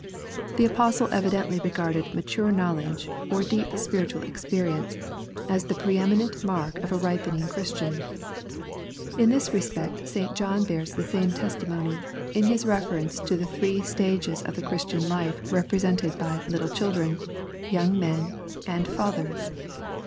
The Apostle evidently regarded mature knowledge, or deep spiritual experience, as the pre eminent mark of a ripening Christian. In this respect St. John bears the same testimony, in his reference to the three stages of the Christian life re presented by '* little children," " young men," and " fathers."